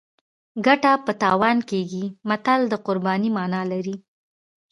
ګټه په تاوان کېږي متل د قربانۍ مانا لري